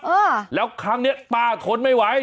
เออแล้วครั้งเนี้ยป้าทนไม่ไหว